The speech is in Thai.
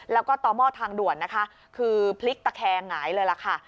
แล้วก็ต่อหม้อทางด่วนนะคะคือพลิกตะแคงหงายเลยล่ะค่ะ